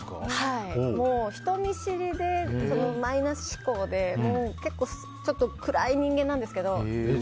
人見知りでマイナス思考で結構暗い人間なんですけど。